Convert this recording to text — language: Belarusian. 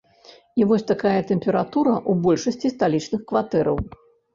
І вось такая тэмпература ў большасці сталічных кватэраў.